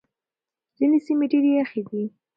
ځينې سيمې ډېرې يخې دي.